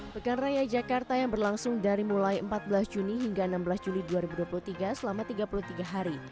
pekan raya jakarta yang berlangsung dari mulai empat belas juni hingga enam belas juli dua ribu dua puluh tiga selama tiga puluh tiga hari